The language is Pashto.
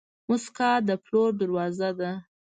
موسکا د پلور دروازه ده.